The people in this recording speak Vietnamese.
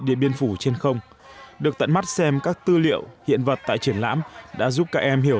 điện biên phủ trên không được tận mắt xem các tư liệu hiện vật tại triển lãm đã giúp các em hiểu